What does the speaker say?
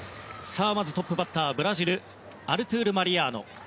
まずトップバッター、ブラジルアルトゥール・マリアーノ。